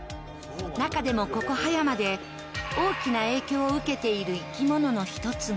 中でもここ、葉山で大きな影響を受けている生き物の一つが